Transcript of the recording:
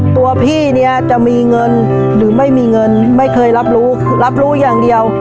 ตัวพี่เนี่ยจะมีเงินหรือไม่มีเงินไม่เคยรับรู้รับรู้อย่างเดียว